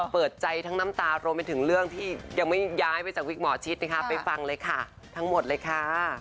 เปิดใจทั้งน้ำตารวมไปถึงเรื่องที่ยังไม่ย้ายไปจากวิกหมอชิดนะคะไปฟังเลยค่ะทั้งหมดเลยค่ะ